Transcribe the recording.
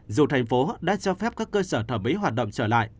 dù thành phố đã cho phép các cơ sở thẩm mỹ hoạt động trở lại